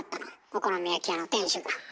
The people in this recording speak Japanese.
お好み焼き屋の店主が。